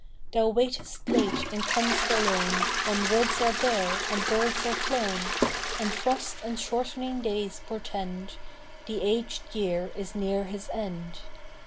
Thou waitest late and com'st alone, When woods are bare and birds are flown, And frosts and shortening days portend The aged year is near his end.